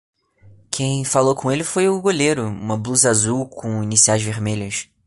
Quem falou com ele foi o goleiro, uma blusa azul com iniciais vermelhas.